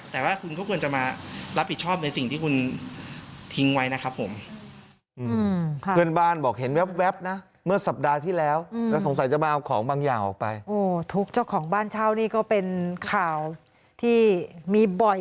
แต่ว่าคุณก็ควรจะมารับผิดชอบในสิ่งที่คุณทิ้งไว้นะครับผม